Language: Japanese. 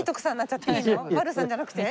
悪さんじゃなくて？